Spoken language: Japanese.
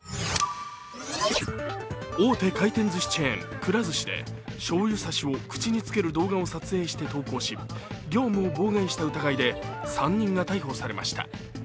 大手回転ずしチェーン、くら寿司でしょうゆ差しを口につける動画を撮影して投稿し業務を妨害した疑いで３人が逮捕されました。